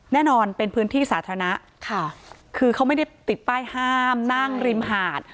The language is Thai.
แน่นอนเป็นพื้นที่สาธารณะค่ะคือเขาไม่ได้ติดป้ายห้ามนั่งริมหาด